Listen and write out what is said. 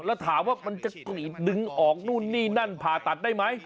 แล้วถามว่ามันจะดึงออกนู่นนี่นั่นผ่าตัดได้ไหม